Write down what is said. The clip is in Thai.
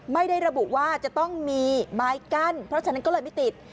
ไม่ได้ระบุว่าจะต้องมีไม้กั้นเพราะฉะนั้นก็เลยไม่ติด